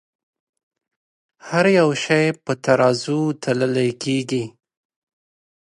هر يو شے پۀ ترازو تللے کيږې